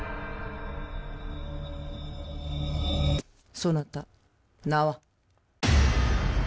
そなた名は？